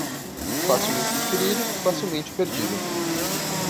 Facilmente adquirido, facilmente perdido.